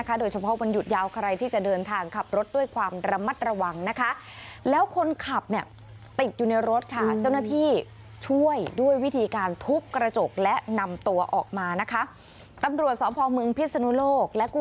เข้าไปตรวจสอบอุบัติเหตุ